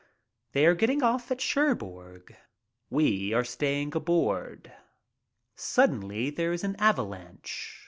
They are getting off at Cherbourg. We are staying aboard. Suddenly there is an avalanche.